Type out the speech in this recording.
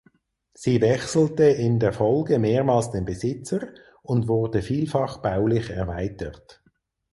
Sie wechselte in der Folge mehrmals den Besitzer und wurde vielfach baulich erweitert.